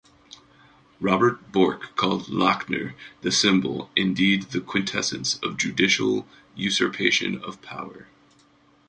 Robert Bork called "Lochner" "the symbol, indeed the quintessence, of judicial usurpation of power".